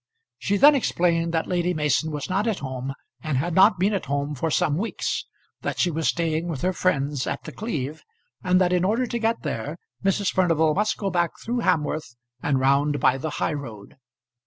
She then explained that Lady Mason was not at home and had not been at home for some weeks; that she was staying with her friends at The Cleeve, and that in order to get there Mrs. Furnival must go back through Hamworth and round by the high road.